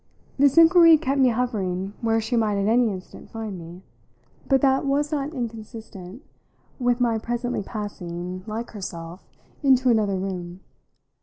This inquiry kept me hovering where she might at any instant find me, but that was not inconsistent with my presently passing, like herself, into another room.